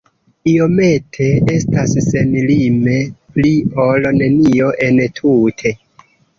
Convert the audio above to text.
Iomete estas senlime pli ol nenio entute.